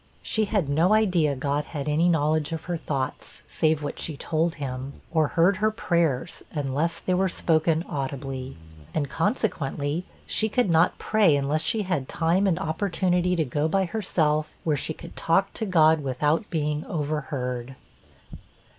She had no idea God had any knowledge of her thoughts, save what she told him; or heard her prayers, unless they were spoken audibly. And consequently, she could not pray unless she had time and opportunity to go by herself, where she could talk to God without being overheard.